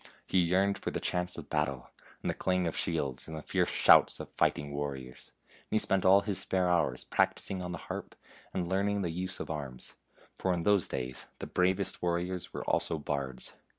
He yearned for the chance of battle, and the clang of shields, and the fierce shouts of fighting warriors, and he spent all his spare hours practicing on the harp and learning the use of arms, for in those days the bravest warriors were also bards.